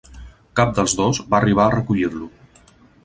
Cap dels dos va arribar a recollir-lo.